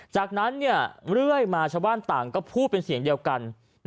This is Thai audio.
จากนั้นเรื่อยมาชาวบ้านต่างก็พูดเป็นเสียงเดียวกัน